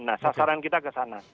nah sasaran kita ke sana